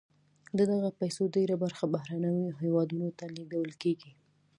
د دغه پیسو ډېره برخه بهرنیو هېوادونو ته لیږدول کیږي.